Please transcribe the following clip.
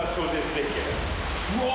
うわ。